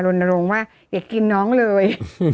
ลงว่าอย่ากินน้องเลย